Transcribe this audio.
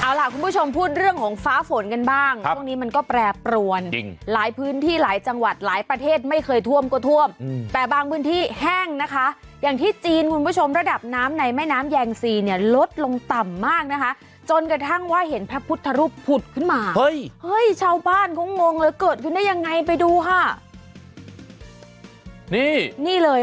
เอาล่ะคุณผู้ชมพูดเรื่องของฟ้าฝนกันบ้างช่วงนี้มันก็แปรปรวนจริงหลายพื้นที่หลายจังหวัดหลายประเทศไม่เคยท่วมก็ท่วมแต่บางพื้นที่แห้งนะคะอย่างที่จีนคุณผู้ชมระดับน้ำในแม่น้ำแยงซีเนี่ยลดลงต่ำมากนะคะจนกระทั่งว่าเห็นพระพุทธรูปผุดขึ้นมาเฮ้ยเฮ้ยชาวบ้านเขางงเลยเกิดขึ้นได้ยังไงไปดูค่ะนี่นี่เลยค่ะ